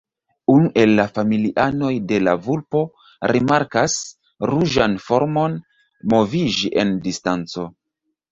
Unu el la familianoj de la vulpo rimarkas ruĝan formon moviĝi en distanco.